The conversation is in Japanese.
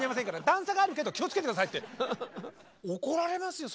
段差があるけど気をつけて下さい」って怒られますよ